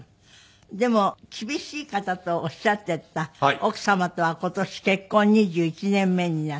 でも厳しい方とおっしゃっていた奥様とは今年結婚２１年目になる。